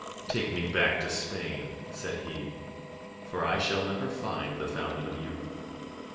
"Take me back to Spain," said he, "for I shall never find the fountain of youth."